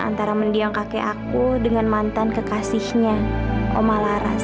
antara mendiang kakek aku dengan mantan kekasihnya om alaras